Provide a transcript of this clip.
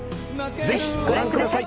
ぜひご覧ください。